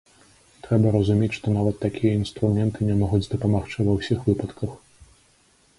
Трэба разумець, што нават такія інструменты не могуць дапамагчы ва ўсіх выпадках.